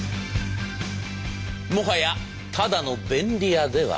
もはやただの便利屋ではございません。